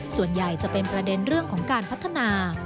ส่วนใหญ่จะเป็นประเด็นเรื่องของการพัฒนา